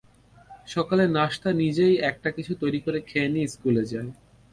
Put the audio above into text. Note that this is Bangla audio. সকালে নাশতা নিজেই একটা কিছু তৈরি করে খেয়ে নিয়ে স্কুলে যায়।